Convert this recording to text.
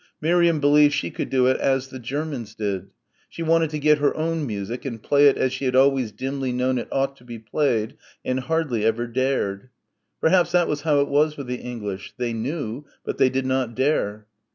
Miriam believed she could do it as the Germans did. She wanted to get her own music and play it as she had always dimly known it ought to be played and hardly ever dared. Perhaps that was how it was with the English. They knew, but they did not dare.